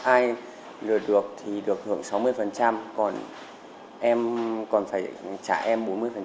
ai lừa được thì được hưởng sáu mươi còn em còn phải trả em bốn mươi